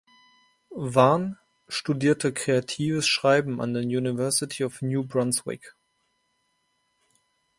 Vaughan studierte Kreatives Schreiben an der University of New Brunswick.